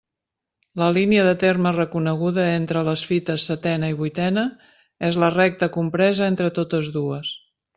La línia de terme reconeguda entre les fites setena i vuitena és la recta compresa entre totes dues.